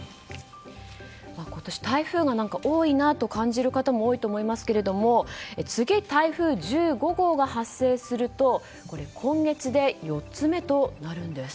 今年、台風が多いなと感じる方も多いと思いますが次、台風１５号が発生すると今月で４つ目となるんです。